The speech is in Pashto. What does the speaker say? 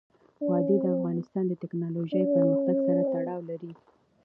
وادي د افغانستان د تکنالوژۍ پرمختګ سره تړاو لري.